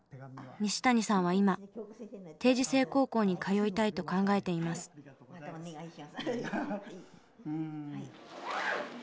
西谷さんは今定時制高校に通いたいと考えています。